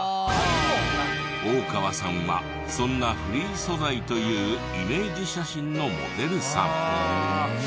大川さんはそんなフリー素材というイメージ写真のモデルさん。